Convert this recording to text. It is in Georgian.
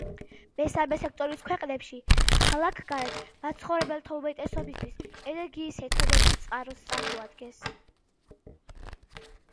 მესამე სექტორის ქვეყნებში, ქალაქგარეთ მაცხოვრებელთა უმეტესობისთვის ენერგიის ერთადერთ წყაროს წარმოადგენს.